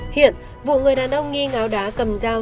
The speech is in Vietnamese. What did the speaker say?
hiện vụ người đàn ông nghi ngáo đá cầm dao